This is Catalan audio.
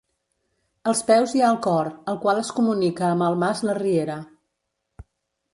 Als peus hi ha el cor, el qual es comunica amb el mas La Riera.